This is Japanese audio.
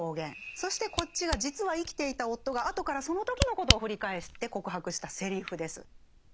そしてこっちが実は生きていた夫が後からその時のことを振り返って告白したセリフです。